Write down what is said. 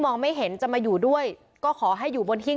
วิทยาลัยศาสตรี